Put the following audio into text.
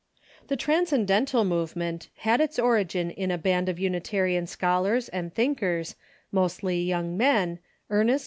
] The Transcendental movement had its origin in a band of Unitarian scholars and thinkers, mostly young men, earnest, „